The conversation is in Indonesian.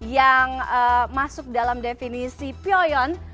yang masuk dalam definisi pyo yeon